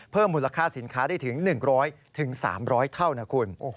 มูลค่าสินค้าได้ถึง๑๐๐๓๐๐เท่านะคุณ